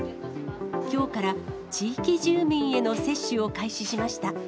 きょうから地域住民への接種を開始しました。